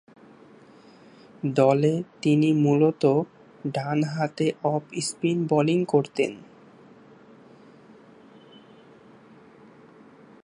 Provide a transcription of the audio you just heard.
দলে তিনি মূলতঃ ডানহাতে অফ স্পিন বোলিং করতেন।